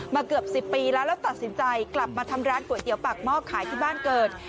เกือบ๑๐ปีแล้วแล้วตัดสินใจกลับมาทำร้านก๋วยเตี๋ยวปากหม้อขายที่บ้านเกิด